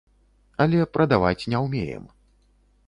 Але прадаваць не ўмеем.